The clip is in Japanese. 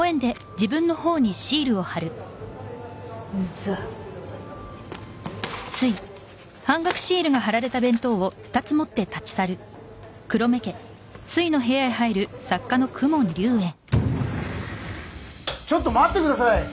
ざっちょっと待ってください！